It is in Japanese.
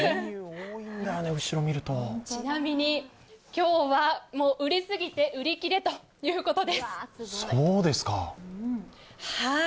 ちなみに、今日はもう売れすぎて売り切れということです。